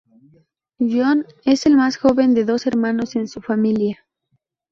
Yoon es el más joven de dos hermanos en su familia.